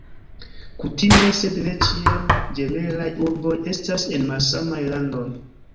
Kutime, sed ne ĉiam, ĝemelaj urboj estas en malsamaj landoj.